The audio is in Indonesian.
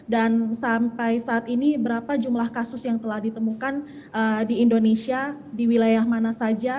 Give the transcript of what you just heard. sampai saat ini berapa jumlah kasus yang telah ditemukan di indonesia di wilayah mana saja